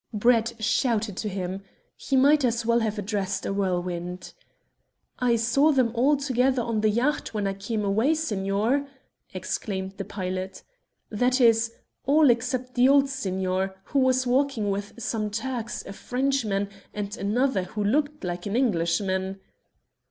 Brett shouted to him. He might as well have addressed a whirlwind. "I saw them all together on the yacht when I came away, signor," exclaimed the pilot. "That is, all except the old signor, who was walking with some Turks, a Frenchman, and another who looked like an Englishman."